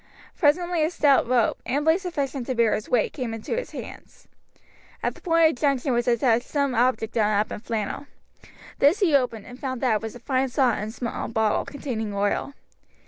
Presently a stout rope, amply sufficient to bear his weight, came into his hands. At the point of junction was attached some object done up in flannel. This he opened, and found that it was a fine saw and a small bottle containing oil.